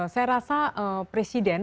saya rasa presiden